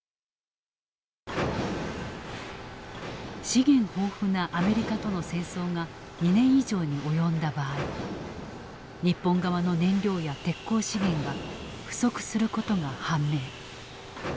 資源豊富なアメリカとの戦争が２年以上に及んだ場合日本側の燃料や鉄鋼資源が不足することが判明。